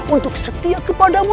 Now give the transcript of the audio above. untuk setia kepadamu